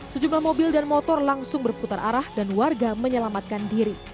sejumlah mobil dan motor langsung berputar arah dan warga menyelamatkan diri